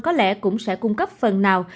có lẽ cũng sẽ cung cấp phần nào